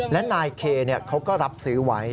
และนายเคเขาก็รับซื้อไว้